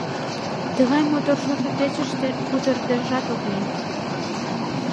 Тыгай мотор шошо кечыште кутырыдежат ок лий.